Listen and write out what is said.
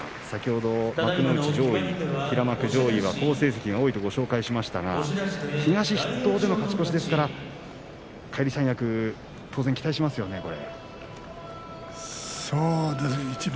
先ほど、幕内上位、平幕上位は好成績が多いとご紹介しましたが東筆頭での勝ち越しですから返り三役、当然期待しますよね。